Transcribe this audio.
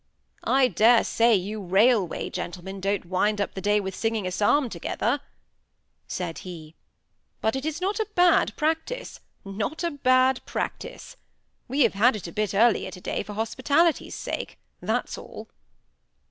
"I dare say you railway gentlemen don't wind up the day with singing a psalm together," said he; "but it is not a bad practice—not a bad practice. We have had it a bit earlier to day for hospitality's sake—that's all."